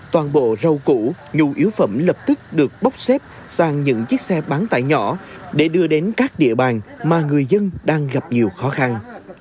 toàn bộ rau củ nhu yếu phẩm lập tức được bốc xếp sang những chiếc xe bán tải nhỏ để đưa đến các địa bàn mà người dân đang gặp nhiều khó khăn